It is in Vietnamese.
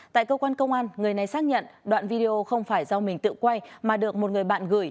tại cơ quan công an người này xác nhận đoạn video không phải do mình tự quay mà được một người bạn gửi